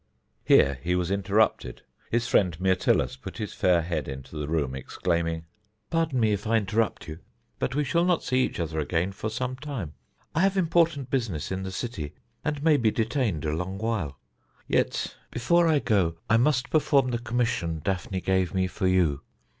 Here he was interrupted; his friend Myrtilus put his fair head into the room, exclaiming: "Pardon me if I interrupt you but we shall not see each other again for some time. I have important business in the city, and may be detained a long while. Yet before I go I must perform the commission Daphne gave me for you.